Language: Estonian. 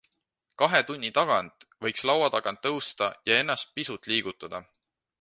Kahe tunni tagant võiks laua tagant tõusta ja ennast pisut liigutada.